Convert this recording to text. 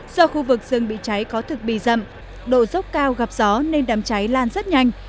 do khu vực rừng bị cháy có thực bị rậm độ dốc cao gặp gió nên đám cháy lan rất nhanh